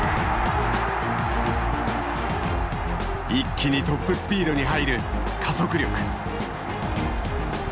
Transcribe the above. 一気にトップスピードに入る「加速力」。